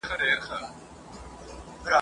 چا راته ویلي وه چي خدای دي ځوانیمرګ مه که ..